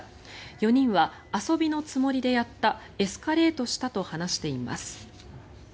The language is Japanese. ４人は遊びのつもりでやったエスカレートしたと話しています。